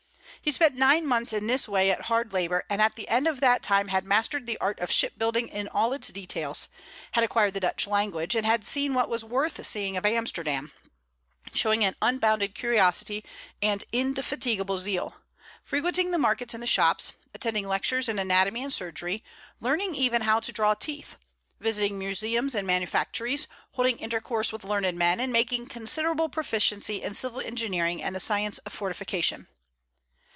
He spent nine months in this way at hard labor, and at the end of that time had mastered the art of ship building in all its details, had acquired the Dutch language, and had seen what was worth seeing of Amsterdam, showing an unbounded curiosity and indefatigable zeal, frequenting the markets and the shops, attending lectures in anatomy and surgery, learning even how to draw teeth; visiting museums and manufactories, holding intercourse with learned men, and making considerable proficiency in civil engineering and the science of fortification.